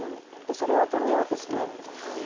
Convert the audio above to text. それは止めようとしてないわけじゃないですか。